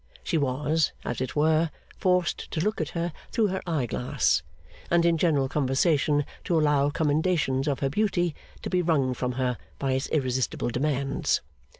She was, as it were, forced to look at her through her eye glass, and in general conversation to allow commendations of her beauty to be wrung from her by its irresistible demands.